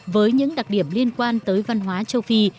với những đặc điểm liên quan tới văn hóa châu phi